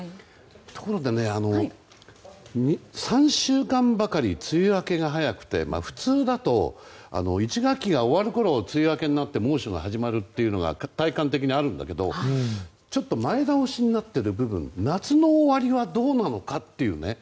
ところで、３週間ばかり梅雨明けが早くて普通だと、１学期が終わるころ梅雨明けになって猛暑が始まるというのが体感的にあるんだけどちょっと前倒しになっている部分夏の終わりはどうなのかというね。